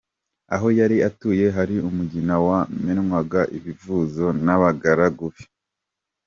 Aho yari atuye hari umugina wamenwagaho ibivuzo n’abagaragu be.